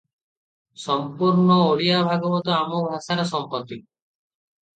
ସମ୍ପୂର୍ଣ୍ଣ ଓଡ଼ିଆ ଭାଗବତ ଆମ ଭାଷାର ସମ୍ପତ୍ତି ।